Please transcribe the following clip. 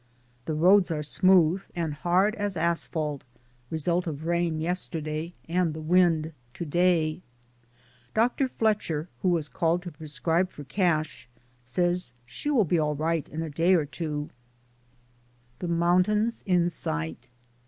The roads are smooth and hard as asphalt, result of rain yesterday and the wind to day. Dr. Fletcher who was called to prescribe for Cash says she will be all right in a day or two. DAYS ON THE ROAD. 117 THE MOUNTAINS IN SIGHT.